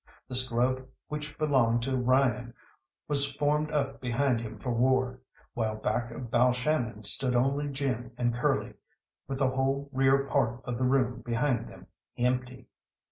The scrub which belonged to Ryan was formed up behind him for war, while back of Balshannon stood only Jim and Curly with the whole rear part of the room behind them empty.